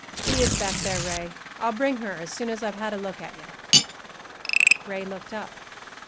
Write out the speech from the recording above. "Thea's back there, Ray. I'll bring her as soon as I've had a look at you." Ray looked up.